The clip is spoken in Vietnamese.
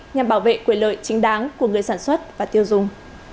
nhằm bảo vệ quyền lợi chính đáng của người sản xuất và tiêu dùng